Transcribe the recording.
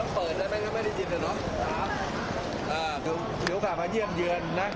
เปิดแล้วไม่ได้จินอะไรนะครับอ่าอยู่กลับมาเยี่ยมเยือนนะ